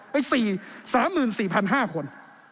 ไม่๓๔๕๐๐คน